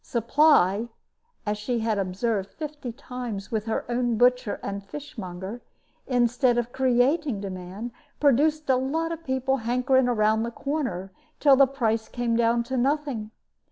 Supply (as she had observed fifty times with her own butcher and fishmonger), instead of creating demand, produced a lot of people hankering round the corner, till the price came down to nothing.